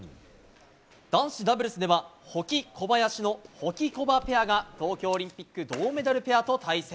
男子ダブルスでは保木、小林のホキコバペアが東京オリンピック銅メダルペアと対戦。